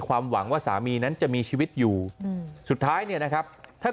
ความหวังว่าสามีนั้นจะมีชีวิตอยู่สุดท้ายเนี่ยนะครับถ้า